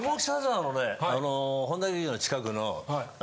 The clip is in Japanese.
本多劇場の近くの。